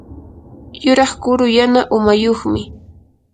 yuraq kuru yana umayuqmi.